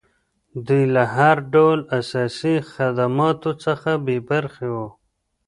دوی له هر ډول اساسي خدماتو څخه بې برخې وو.